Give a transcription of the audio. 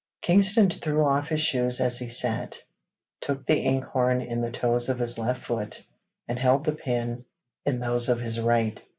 Kingston threw off his shoes as he sat, took the ink horn in the toes of his left foot, and held the pen in those of his right.